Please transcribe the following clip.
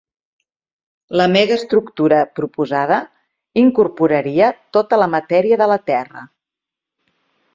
La megastructura proposada incorporaria tota la matèria de la Terra.